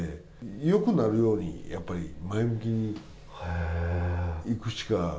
よくなるように、やっぱり前向きにいくしか。